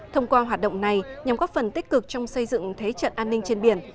thông qua hoạt động này nhằm góp phần tích cực trong xây dựng thế trận an ninh trên biển